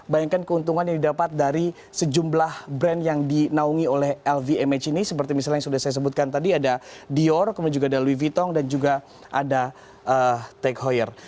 bayangkan keuntungan yang didapat dari sejumlah brand yang dinaungi oleh lvmh ini seperti misalnya yang sudah saya sebutkan tadi ada dior kemudian juga ada louis vit tong dan juga ada take hoyer